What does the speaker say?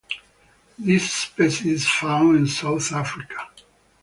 This species is found in South Africa.